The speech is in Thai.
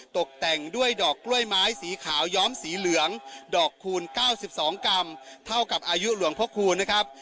ตกแต่งด้วยดอกกล้วยไม้สีขาวย้อมสีเหลืองดอกคูณ๙๒กรัมเท่ากับอายุหลวงพ่อคูณนะครับ